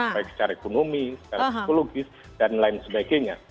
baik secara ekonomi secara psikologis dan lain sebagainya